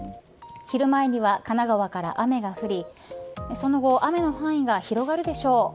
昼前には神奈川から雨が降りその後雨の範囲が広がるでしょう。